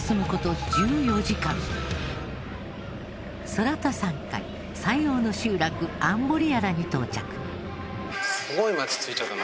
ソラタ山塊最奥の集落アンボリアラに到着。